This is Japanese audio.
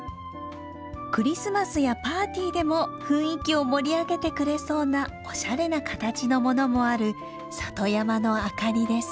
クリスマスやパーティーでも雰囲気を盛り上げてくれそうなおしゃれな形のものもある里山の明かりです。